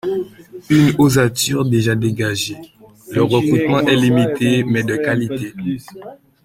Une ossature déjà dégagée, le recrutement est limité mais de qualité.